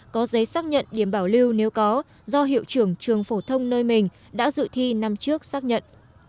có giấy xác nhận điểm bảo lưu nếu có do hiệu trưởng trường phổ thông nơi mình đã dự thi năm trước xác nhận